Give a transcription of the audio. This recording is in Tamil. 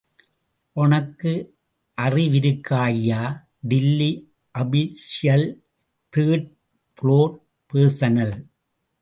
ஒனக்கு அறிவிருக்காய்யா... Delhi official... third floor personal.